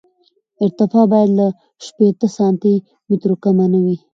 ارتفاع باید له شپېته سانتي مترو کمه نه وي